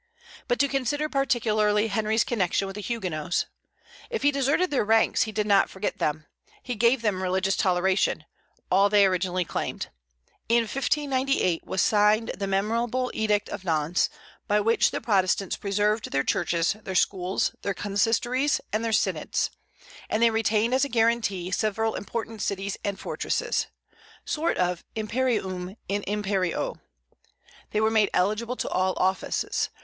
But to consider particularly Henry's connection with the Huguenots. If he deserted their ranks, he did not forget them. He gave them religious toleration, all they originally claimed. In 1598 was signed the memorable edict of Nantes, by which the Protestants preserved their churches, their schools, their consistories, and their synods; and they retained as a guarantee several important cities and fortresses, a sort of imperium in imperio. They were made eligible to all offices.